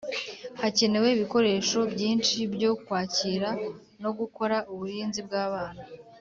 Hakenewe ibikoresho byinshi byo kwakira no gukora uburinzi bw’abana